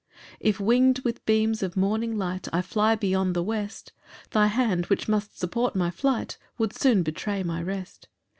8 If wing'd with beams of morning light, I fly beyond the west, Thy hand, which must support my flight, Would soon betray my rest.